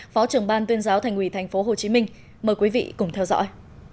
phó trưởng ban tuyên giáo thành ủy tp hcm mời quý vị cùng theo dõi